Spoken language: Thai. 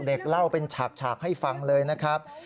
เล่าเป็นฉากให้ฟังเลยนะครับ